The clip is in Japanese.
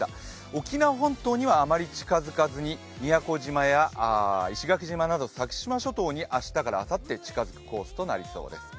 沖縄本島にはあまり近づかずに宮古島や石垣島など先島諸島に明日からあさって近付くコースとなりそうです。